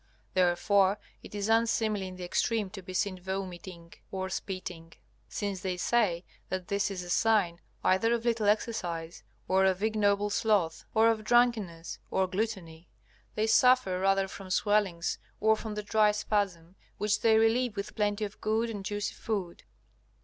Therefore it is unseemly in the extreme to be seen vomiting or spitting, since they say that this is a sign either of little exercise, or of ignoble sloth, or of drunkenness, or gluttony. They suffer rather from swellings or from the dry spasm, which they relieve with plenty of good and juicy food.